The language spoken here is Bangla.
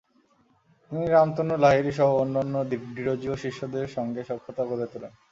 তিনি রামতনু লাহিড়ীসহ অন্যান্য ডিরোজিও শিষ্যদের সাথে সখ্যতা গড়ে তোলেন।